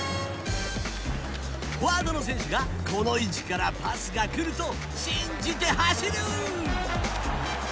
フォワードの選手がこの位置からパスがくると信じて走る。